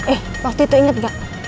eh waktu itu ingat gak